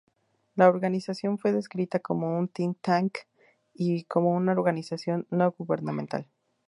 La organización fue descrita como un think-tank y como una organización no gubernamental.